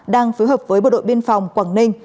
đang phối hợp với bộ đội biên phòng quảng ninh